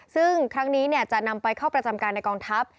ซึ่งครั้งนี้จะนำไปเข้าประจำการในกองทัพ